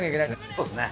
そうですね。